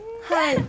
はい。